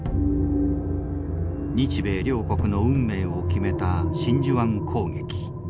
日米両国の運命を決めた真珠湾攻撃。